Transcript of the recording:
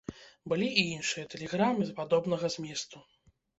Былі і іншыя тэлеграмы падобнага зместу.